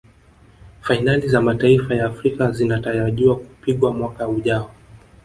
fainali za mataifa ya afrika zinatarajiwa kupigwa mwaka ujao